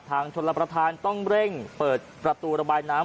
ชนรับประทานต้องเร่งเปิดประตูระบายน้ำ